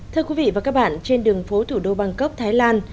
thưa quý vị và các bạn trên đường phố thủ đô bangkok thái lan